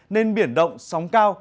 nên biển động sóng cao